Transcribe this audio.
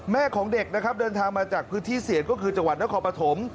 ของเด็กนะครับเดินทางมาจากพื้นที่เสี่ยงก็คือจังหวัดนครปฐม